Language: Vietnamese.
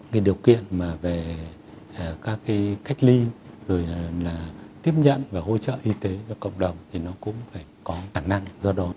cái điều kiện mà về các cái cách ly rồi là tiếp nhận và hỗ trợ y tế cho cộng đồng thì nó cũng phải có khả năng do đó